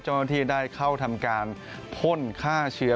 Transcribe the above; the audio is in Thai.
จังหวังที่ได้เข้าทำการพ่นค่าเชื้อ